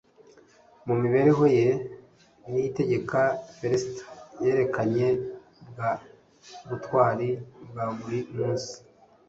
mu mibereho ye niyitegeka félicité yerekanye bwa butwari bwa buri munsi